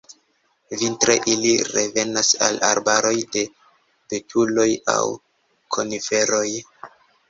Vintre ili revenas al arbaroj de betuloj aŭ koniferoj.